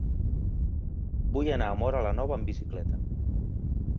Vull anar a Móra la Nova amb bicicleta.